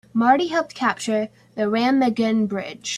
Marty helped capture the Remagen Bridge.